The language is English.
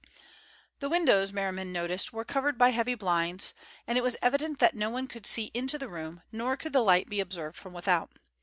The windows, Merriman noticed, were covered by heavy blinds, and it was evident that no one could see into the room, nor could the light be observed from without.